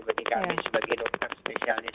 bagi kami sebagai dokter spesialis